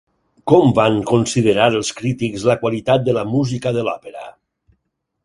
Com van considerar els crítics la qualitat de la música de l'òpera?